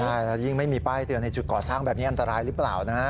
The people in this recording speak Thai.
ใช่แล้วยิ่งไม่มีป้ายเตือนในจุดก่อสร้างแบบนี้อันตรายหรือเปล่านะฮะ